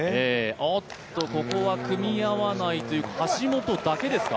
おっと、ここは組み合わないと、橋本だけですか。